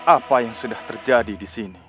apa yang sudah terjadi disini